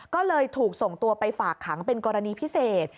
ก็เลยถูกส่งตัวไปฝากขังเป็นกรณีพิเศษ